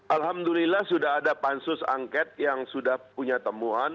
alhamdulillah sudah ada pansus angket yang sudah punya temuan